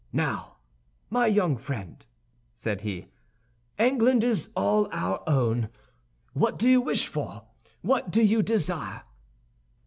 "Now, my young friend," said he, "England is all our own. What do you wish for? What do you desire?"